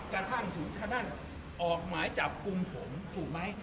กระทั่งถึงขนาดออกหมายจับกลุ่มผมถูกไหม